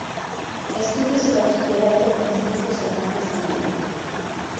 Estudios de Bachillerato en el instituto Cervantes, de Madrid.